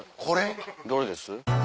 どれです？